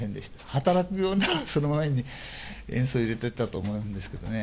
働くようなら、その前に塩素を入れていたと思うんですけどね。